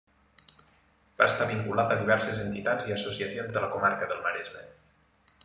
Va estar vinculat a diverses entitats i associacions de la comarca del Maresme.